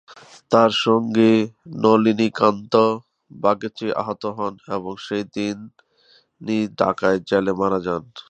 তার সঙ্গী নলিনীকান্ত বাগচী আহত হন এবং সেই দিনই ঢাকা জেলে মারা যান।